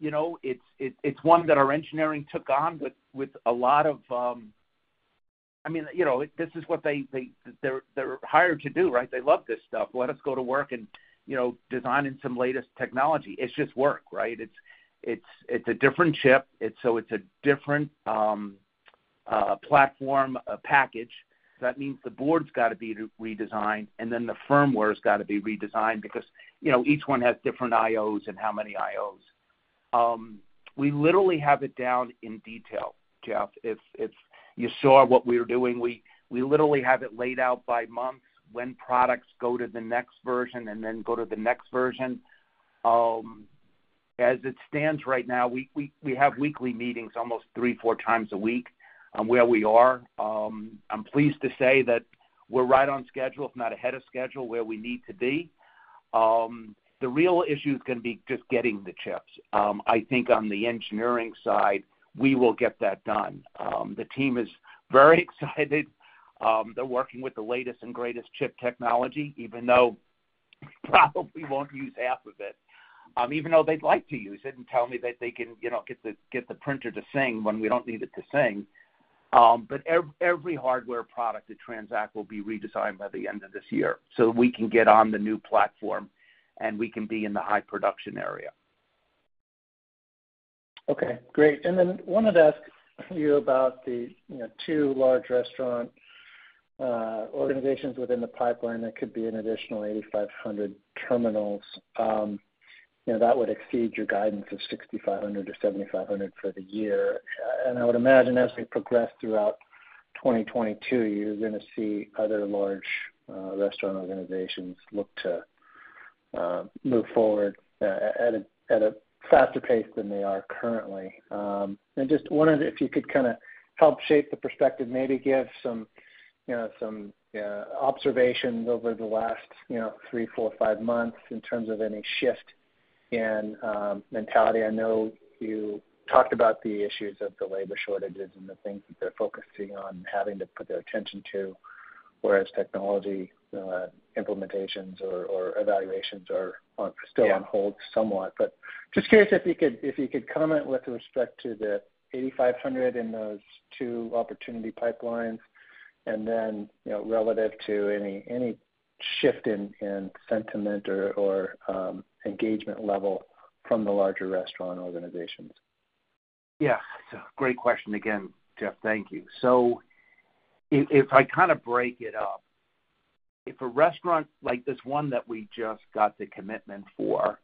you know. It's one that our engineering took on with a lot of-- I mean, you know, this is what they're hired to do, right? They love this stuff. Let us go to work and, you know, designing some latest technology. It's just work, right? It's a different chip. It's a different platform package. That means the board's gotta be re-redesigned, and then the firmware's gotta be redesigned because, you know, each one has different I/Os and how many I/Os. We literally have it down in detail, Jeff. It's you saw what we're doing. We literally have it laid out by months when products go to the next version and then go to the next version. As it stands right now, we have weekly meetings almost three, four times a week on where we are. I'm pleased to say that we're right on schedule, if not ahead of schedule, where we need to be. The real issue is gonna be just getting the chips. I think on the engineering side, we will get that done. The team is very excited. They're working with the latest and greatest chip technology, even though we probably won't use half of it, even though they'd like to use it and tell me that they can, you know, get the printer to sing when we don't need it to sing. Every hardware product at TransAct will be redesigned by the end of this year, so we can get on the new platform, and we can be in the high production area. Okay, great. Wanted to ask you about the, you know, two large restaurant organizations within the pipeline that could be an additional 8,500 terminals. You know, that would exceed your guidance of 6,500-7,500 for the year. I would imagine as we progress throughout 2022, you're gonna see other large restaurant organizations look to move forward at a faster pace than they are currently. Just wondered if you could kinda help shape the perspective, maybe give some, you know, some observations over the last, you know, three, four, five months in terms of any shift in mentality. I know you talked about the issues of the labor shortages and the things that they're focusing on having to put their attention to, whereas technology implementations or evaluations are on- Yeah. ...still on hold somewhat. Just curious if you could comment with respect to the 8,500 in those two opportunity pipelines and then, you know, relative to any shift in sentiment or engagement level from the larger restaurant organizations. Yeah. It's a great question again, Jeff. Thank you. If I kind of break it up, if a restaurant like this one that we just got the commitment for,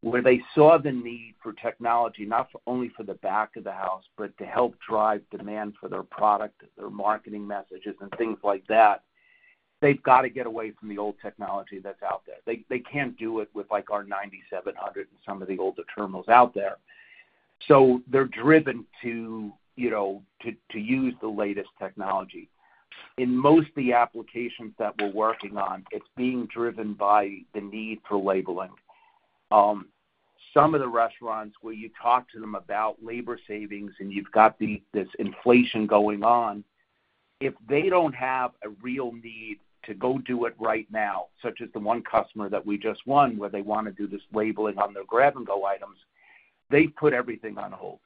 where they saw the need for technology, not only for the back of the house, but to help drive demand for their product, their marketing messages, and things like that, they've got to get away from the old technology that's out there. They can't do it with like our AccuDate 9700 and some of the older terminals out there. They're driven to, you know, to use the latest technology. In most of the applications that we're working on, it's being driven by the need for labeling. Some of the restaurants where you talk to them about labor savings and you've got this inflation going on, if they don't have a real need to go do it right now, such as the one customer that we just won, where they wanna do this labeling on their grab-and-go items, they put everything on hold.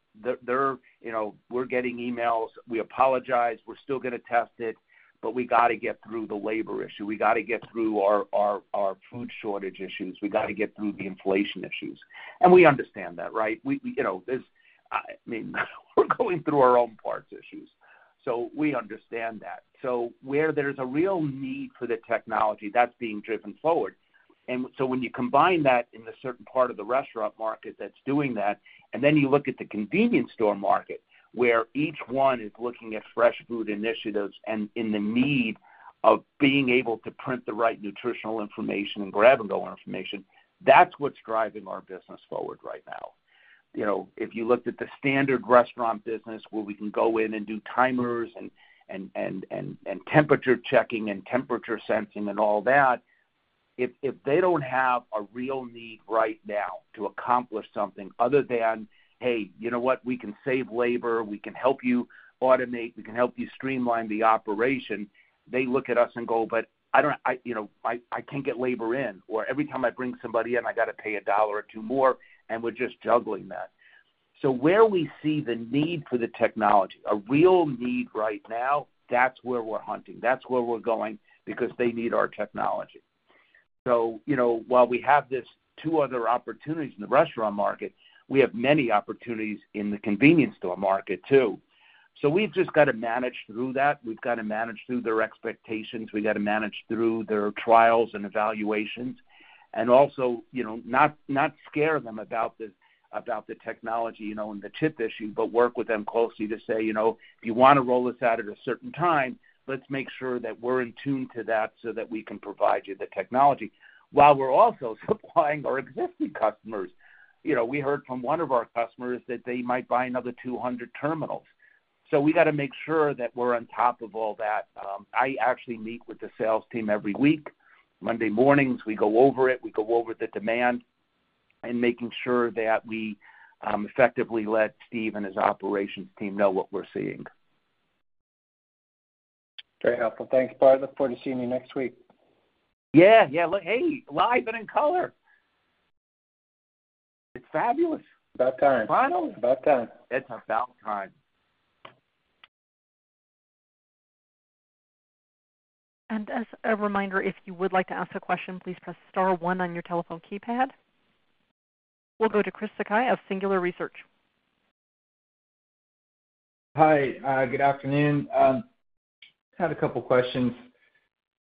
They're. You know, we're getting emails. We apologize. We're still gonna test it, but we gotta get through the labor issue. We gotta get through our food shortage issues. We gotta get through the inflation issues. And we understand that, right? You know, I mean, we're going through our own parts issues. So we understand that. So where there's a real need for the technology, that's being driven forward. When you combine that in the certain part of the restaurant market that's doing that, and then you look at the convenience store market, where each one is looking at fresh food initiatives and in the need of being able to print the right nutritional information and grab-and-go information, that's what's driving our business forward right now. You know, if you looked at the standard restaurant business where we can go in and do timers and temperature checking and temperature sensing and all that, if they don't have a real need right now to accomplish something other than, "Hey, you know what? We can save labor. We can help you automate. We can help you streamline the operation." They look at us and go, "But you know, I can't get labor in," or, "Every time I bring somebody in, I gotta pay a dollar or two more, and we're just juggling that." Where we see the need for the technology, a real need right now, that's where we're hunting. That's where we're going because they need our technology. You know, while we have these two other opportunities in the restaurant market, we have many opportunities in the convenience store market too. We've just gotta manage through that. We've gotta manage through their expectations. We've gotta manage through their trials and evaluations. You know, not scare them about the technology, you know, and the tip issue, but work with them closely to say, you know, "If you wanna roll this out at a certain time, let's make sure that we're in tune to that so that we can provide you the technology while we're also supplying our existing customers." You know, we heard from one of our customers that they might buy another 200 terminals. We gotta make sure that we're on top of all that. I actually meet with the sales team every week. Monday mornings, we go over it, we go over the demand, and making sure that we effectively let Steve and his operations team know what we're seeing. Very helpful. Thanks, Bart. Look forward to seeing you next week. Yeah. Yeah. Look. Hey, live and in color. It's fabulous. About time. Finally. About time. It's about time. As a reminder, if you would like to ask a question, please press star one on your telephone keypad. We'll go to Chris Sakai of Singular Research. Hi. Good afternoon. I had a couple questions.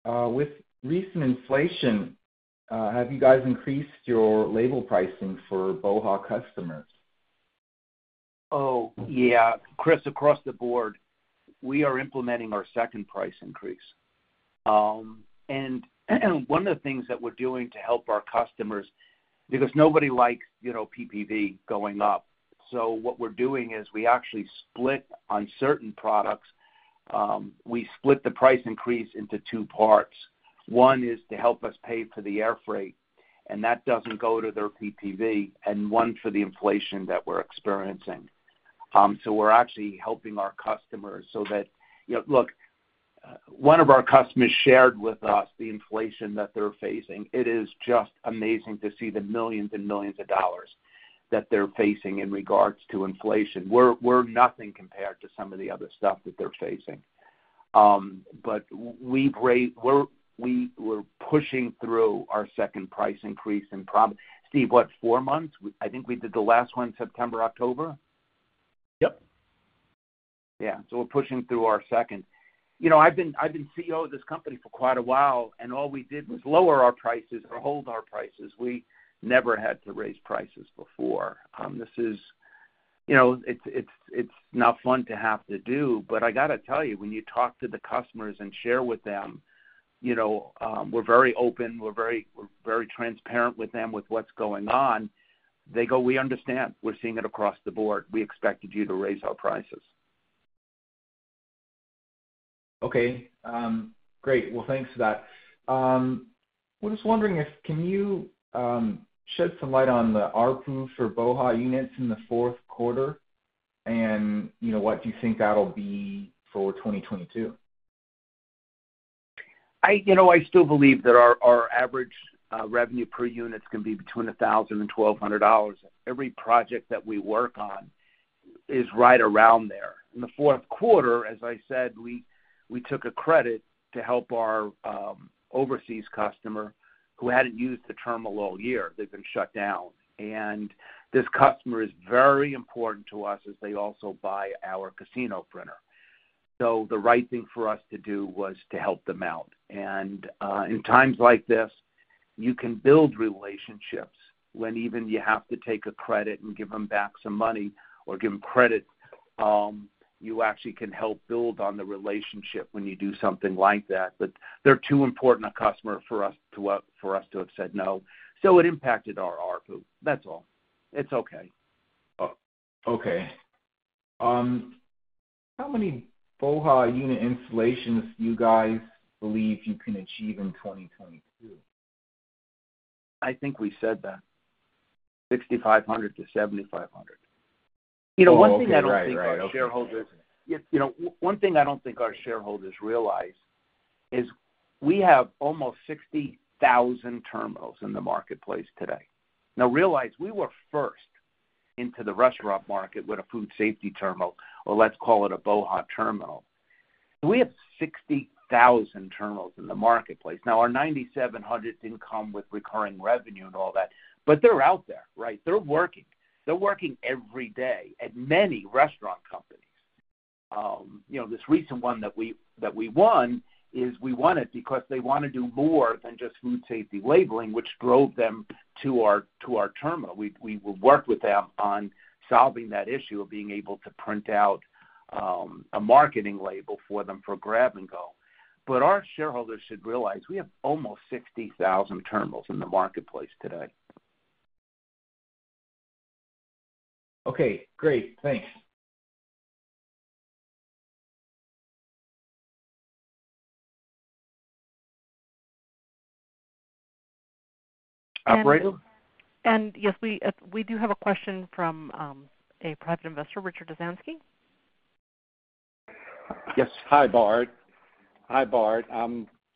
With recent inflation, have you guys increased your label pricing for BOHA! customers? Oh, yeah. Chris, across the board, we are implementing our second price increase. One of the things that we're doing to help our customers, because nobody likes, you know, PPV going up. What we're doing is we actually split the price increase into two parts. One is to help us pay for the air freight, and that doesn't go to their PPV, and one for the inflation that we're experiencing. We're actually helping our customers so that you know, look, one of our customers shared with us the inflation that they're facing. It is just amazing to see the millions and millions of dollars that they're facing in regards to inflation. We're nothing compared to some of the other stuff that they're facing. We're pushing through our second price increase. Steve, what, four months? I think we did the last one September, October. Yep. Yeah. We're pushing through our second. You know, I've been CEO of this company for quite a while, and all we did was lower our prices or hold our prices. We never had to raise prices before. This is, you know, it's not fun to have to do, but I gotta tell you, when you talk to the customers and share with them, you know, we're very open, we're very transparent with them with what's going on. They go, "We understand. We're seeing it across the board. We expected you to raise our prices. Okay. Great. Well, thanks for that. I was just wondering if you can shed some light on the ARPU for BOHA! units in the fourth quarter? And, you know, what do you think that'll be for 2022? You know, I still believe that our average revenue per unit is gonna be between $1,000 and $1,200. Every project that we work on is right around there. In the fourth quarter, as I said, we took a credit to help our overseas customer who hadn't used the terminal all year. They've been shut down. This customer is very important to us as they also buy our casino printer. The right thing for us to do was to help them out. In times like this, you can build relationships when even you have to take a credit and give them back some money or give them credit, you actually can help build on the relationship when you do something like that. They're too important a customer for us to have said no. It impacted our ARPU. That's all. It's okay. Okay. How many BOHA! unit installations do you guys believe you can achieve in 2022? I think we said that, 6,500-7,500. You know, one thing I don't think our shareholders- Oh, okay. Right. Okay. You know, one thing I don't think our shareholders realize is we have almost 60,000 terminals in the marketplace today. Now realize we were first into the restaurant market with a food safety terminal, or let's call it a BOHA! Terminal. We have 60,000 terminals in the marketplace. Now, our AccuDate 9700 didn't come with recurring revenue and all that, but they're out there, right? They're working. They're working every day at many restaurant companies. You know, this recent one that we won is we won it because they wanna do more than just food safety labeling, which drove them to our terminal. We worked with them on solving that issue of being able to print out a marketing label for them for grab and go. Our shareholders should realize we have almost 60,000 terminals in the marketplace today. Okay, great. Thanks. Operator. Yes, we do have a question from a Private Investor, Richard Ozansky. Yes. Hi, Bart.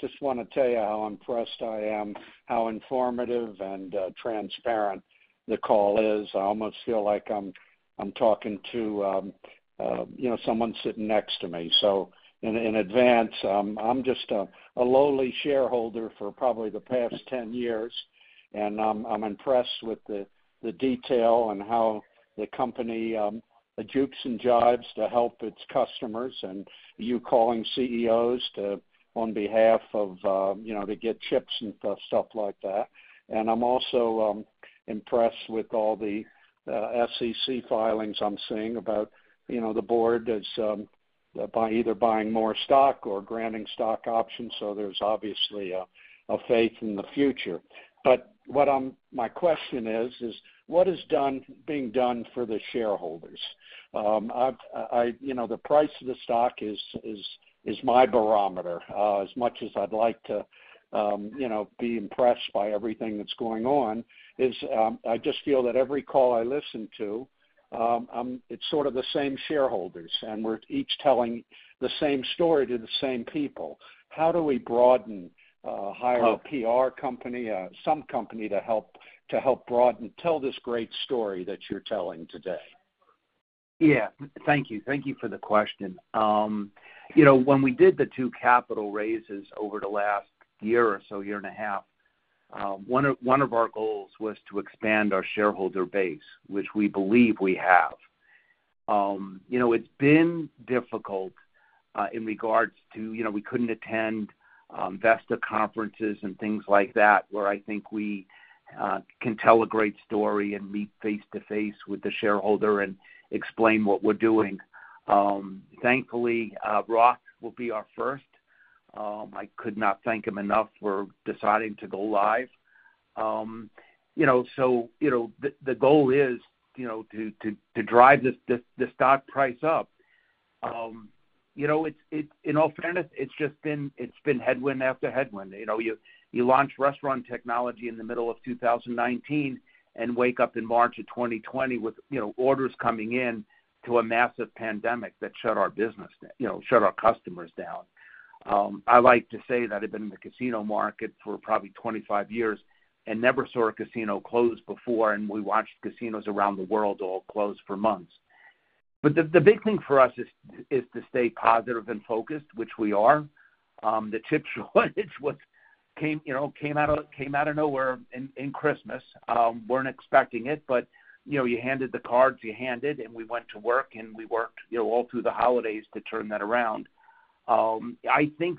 Just wanna tell you how impressed I am, how informative and transparent the call is. I almost feel like I'm talking to you know, someone sitting next to me. In advance, I'm just a lowly shareholder for probably the past 10 years, and I'm impressed with the detail on how the company jukes and jives to help its customers, and you calling CEOs to on behalf of you know, to get chips and stuff like that. I'm also impressed with all the SEC filings I'm seeing about you know, the board is by either buying more stock or granting stock options, there's obviously a faith in the future. What I'm my question is what is being done for the shareholders? I've You know, the price of the stock is my barometer. As much as I'd like to, you know, be impressed by everything that's going on, I just feel that every call I listen to, it's sort of the same shareholders, and we're each telling the same story to the same people. How do we broaden, hire a PR company, some company to help broaden, tell this great story that you're telling today? Yeah. Thank you. Thank you for the question. You know, when we did the two capital raises over the last year or so, year and a half, one of our goals was to expand our shareholder base, which we believe we have. You know, it's been difficult, in regards to, you know, we couldn't attend Vesta conferences and things like that, where I think we can tell a great story and meet face-to-face with the shareholder and explain what we're doing. Thankfully, Roth will be our first. I could not thank him enough for deciding to go live. You know, the goal is to drive the stock price up. You know, in all fairness, it's just been headwind after headwind. You know, you launch restaurant technology in the middle of 2019 and wake up in March of 2020 with, you know, orders coming in to a massive pandemic that shut our business down, you know, shut our customers down. I like to say that I've been in the casino market for probably 25 years and never saw a casino close before, and we watched casinos around the world all close for months. The big thing for us is to stay positive and focused, which we are. The chip shortage came, you know, out of nowhere in Christmas. Weren't expecting it, but, you know, you're handed the cards you're handed, and we went to work, and we worked, you know, all through the holidays to turn that around. I think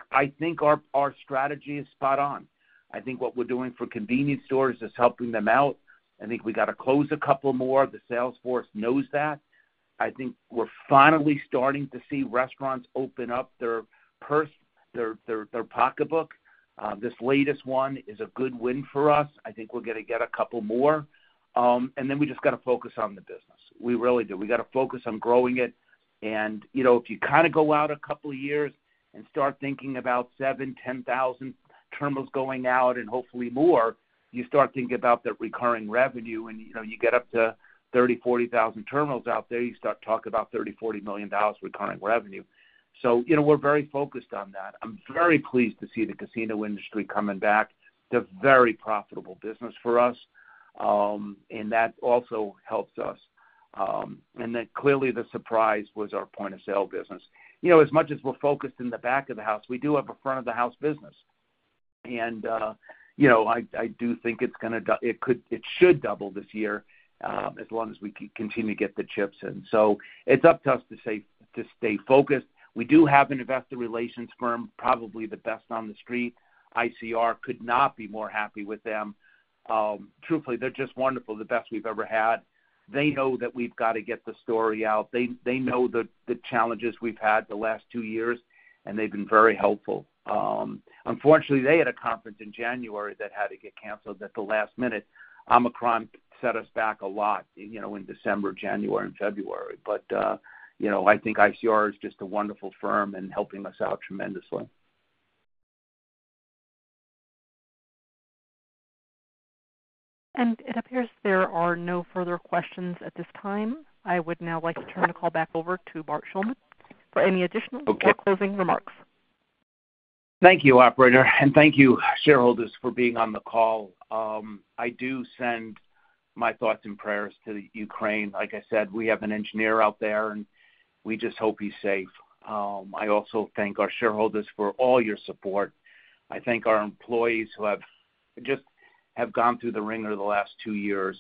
our strategy is spot on. I think what we're doing for convenience stores is helping them out. I think we gotta close a couple more. The sales force knows that. I think we're finally starting to see restaurants open up their purse, their pocketbook. This latest one is a good win for us. I think we're gonna get a couple more. We just gotta focus on the business. We really do. We gotta focus on growing it. You know, if you kinda go out a couple years and start thinking about seven, 10,000 terminals going out and hopefully more, you start thinking about the recurring revenue, and you know, you get up to 30-40,000 terminals out there, you start talking about $30 million-$40 million recurring revenue. You know, we're very focused on that. I'm very pleased to see the casino industry coming back. They're a very profitable business for us, and that also helps us. Then clearly the surprise was our point of sale business. You know, as much as we're focused in the back of the house, we do have a front of the house business. You know, I do think it could. It should double this year, as long as we continue to get the chips in. It's up to us to say, to stay focused. We do have an investor relations firm, probably the best on the street. ICR could not be more happy with them. Truthfully, they're just wonderful, the best we've ever had. They know that we've gotta get the story out. They know the challenges we've had the last two years, and they've been very helpful. Unfortunately, they had a conference in January that had to get canceled at the last minute. Omicron set us back a lot, you know, in December, January and February. I think ICR is just a wonderful firm and helping us out tremendously. It appears there are no further questions at this time. I would now like to turn the call back over to Bart Shuldman for any additional- Okay. ...or closing remarks. Thank you, operator, and thank you shareholders for being on the call. I do send my thoughts and prayers to Ukraine. Like I said, we have an engineer out there, and we just hope he's safe. I also thank our shareholders for all your support. I thank our employees who have just gone through the wringer the last two years.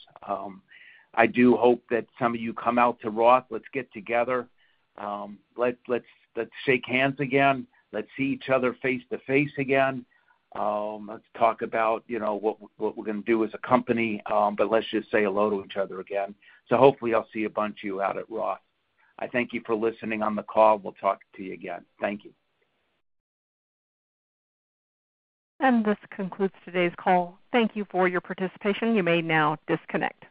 I do hope that some of you come out to Roth. Let's get together. Let's shake hands again. Let's see each other face to face again. Let's talk about, you know, what we're gonna do as a company, but let's just say hello to each other again. Hopefully I'll see a bunch of you out at Roth. I thank you for listening on the call. We'll talk to you again. Thank you. This concludes today's call. Thank you for your participation. You may now disconnect.